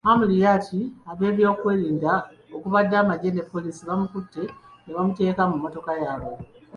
Amuriat ab'ebyokwerinda okubadde amagye ne poliisi bamukutte ne bamuteeka mu mmotoka yaabwe.